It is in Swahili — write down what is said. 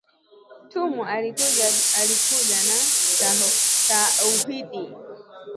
Tumwa alikuja na “tauhid"